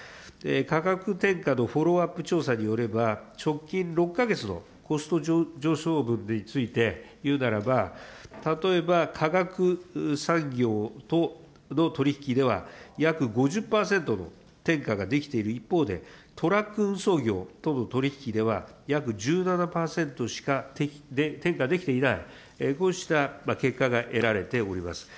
価格転嫁のフォローアップ調査によれば、直近６か月のコスト上昇分についていうならば、例えば化学産業との取り引きでは、約５０％の転嫁ができている一方でトラック運送業との取り引きでは、約１７％しか転嫁できていない、こうした結果が得られております。